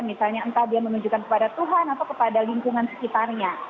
misalnya entah dia menunjukkan kepada tuhan atau kepada lingkungan sekitarnya